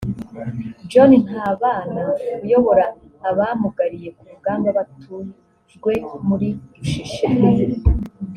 John Ntabana uyobora abamugariye ku rugamba batujwe muri Rusheshe